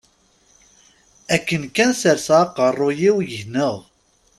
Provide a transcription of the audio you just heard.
Akken kan serseɣ aqerruy-iw gneɣ.